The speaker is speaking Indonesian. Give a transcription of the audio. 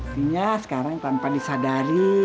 sebenarnya sekarang tanpa disadari